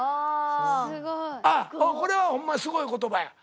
すごい。あっこれはホンマすごい言葉や。